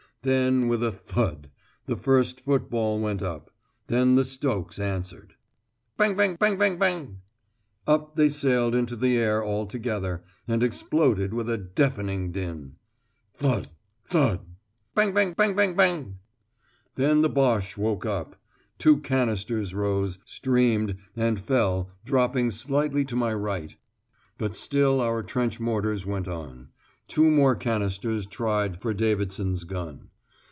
Then with a "thud" the first football went up. Then the Stokes answered. "Bang, bang, bang, bang, bang!" Up they sailed into the air all together, and exploded with a deafening din. "Thud thud!" "Bang, bang, bang, bang, bang!" Then the Boche woke up. Two canisters rose, streamed, and fell, dropping slightly to my right. But still our trench mortars went on. Two more canisters tried for Davidson's gun.